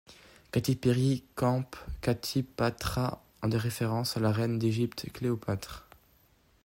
Katy Perry campe Katy Pätra en référence à la reine d'Égypte Cléopâtre.